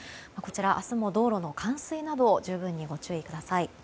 明日も道路の冠水など十分にご注意ください。